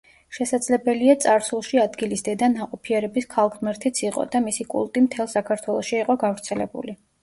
შესაძლებელია, წარსულში ადგილის დედა ნაყოფიერების ქალღმერთიც იყო და მისი კულტი მთელ საქართველოში იყო გავრცელებული.